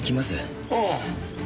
ああ。